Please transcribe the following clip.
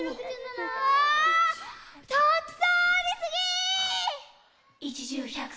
ああたくさんありすぎ！